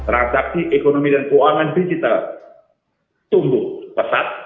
transaksi ekonomi dan keuangan digital tumbuh pesat